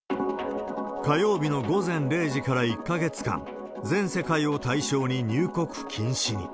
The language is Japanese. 火曜日の午前０時から１か月間、全世界を対象に入国禁止に。